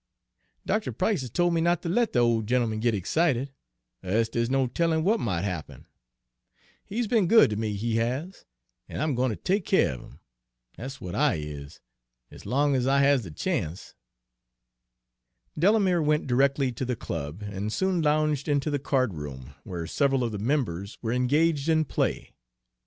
Doctuh Price has tol' me not ter let de ole gent'eman git ixcited, er e'se dere's no tellin' w'at mought happen. He's be'n good ter me, he has, an' I'm gwine ter take keer er him, dat's w'at I is, ez long ez I has de chance." Delamere went directly to the club, and soon lounged into the card room, where several of the members were engaged in play.